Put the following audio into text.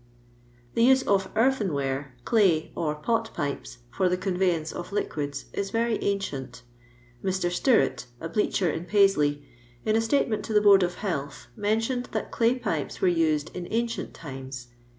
The use of earthenware, clay, or pot pipes Cor the conveyance of liquids ii very ancient. Mr. Stirrat, a bleacher in Paisley, in a statement is the Board of Health, mentioned that clay pipa were used in ancient times.